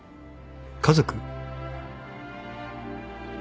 ［家族］